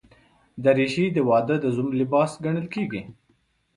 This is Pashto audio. دریشي د واده د زوم لباس ګڼل کېږي.